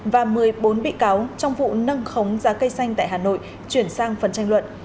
và một mươi bốn bị cáo trong vụ nâng khống giá cây xanh tại hà nội chuyển sang phần tranh luận